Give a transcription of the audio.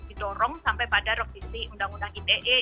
didorong sampai pada revisi undang undang ite